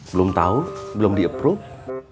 belum tahu belum di approve